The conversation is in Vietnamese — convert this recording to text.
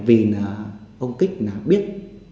vì ông kích biết